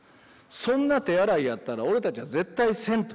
そんな手洗いやったら俺たちは絶対せんと。